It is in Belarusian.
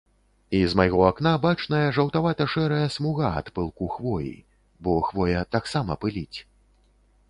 І з майго акна бачная жаўтавата-шэрая смуга ад пылку хвоі, бо хвоя таксама пыліць.